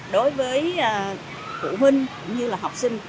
đối với phụ huynh cũng như là học sinh